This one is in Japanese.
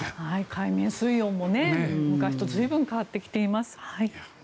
海面水温も昔と随分変わってきています。